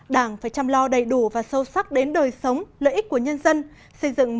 đảng phải chăm lo đầy đủ và sâu sắc đến đời sống lợi ích của nhân dân